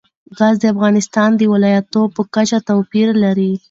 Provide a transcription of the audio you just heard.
ګاز د افغانستان د ولایاتو په کچه توپیر لري.